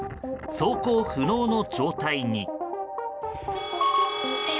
走行不能の状態に。